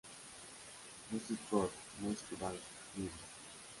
Music Core", "Music Bank", y "M!